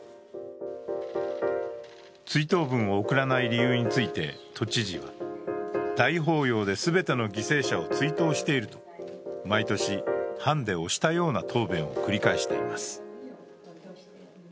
追悼文を送らない理由については都知事は、大法要で全ての犠牲者を追悼していると、毎年、判で押したような答弁を繰り返しています。